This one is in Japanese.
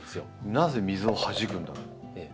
なぜ水をはじくんだろう。